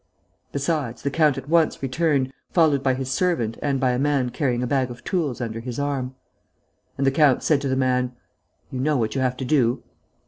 Besides, the count at once returned, followed by his servant and by a man carrying a bag of tools under his arm. And the count said to the man: "You know what you have to do?"